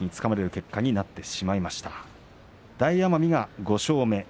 大奄美が５勝目。